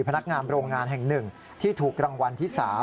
พนักงานโรงงานแห่ง๑ที่ถูกรางวัลที่๓